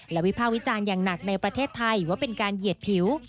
และวิภาควิจารณ์อย่างหนักในประเทศไทยว่าเป็นการเหยียดผิว